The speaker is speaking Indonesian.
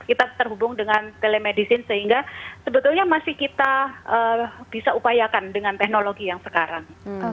kita terhubung dengan telemedicine sehingga sebetulnya masih kita bisa upayakan dengan teknologi yang sekarang